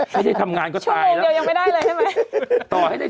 ถ้าได้ทำงานก็ตายแล้วชั่วโมงเดียวยังไม่ได้เลยใช่ไหมตายแล้ว